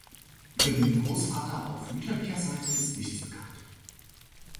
Über den Großvater auf mütterlicher Seite ist nichts bekannt.